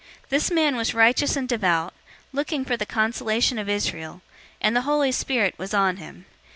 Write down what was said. This man was righteous and devout, looking for the consolation of Israel, and the Holy Spirit was on him.